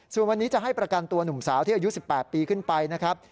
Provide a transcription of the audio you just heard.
ส่วนวันนี้จะให้ประกันตัวหนุ่มสาวที่อายุ๑๘ปีขึ้นไปนะครับ